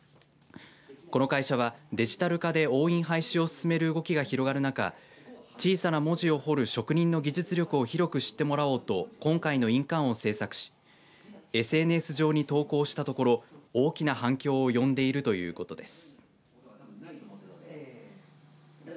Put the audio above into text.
この会社はデジタル化で押印廃止を進める動きが広がる中小さな文字を掘る職人の技術力を広く知ってもらおうと今回の印鑑を制作しＳＮＳ上に投稿したところ大きな反響を呼んでいるということです。